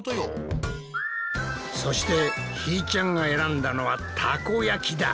そしてひーちゃんが選んだのはたこ焼きだ！